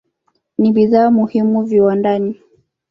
Ni bidhaa muhimu viwandani.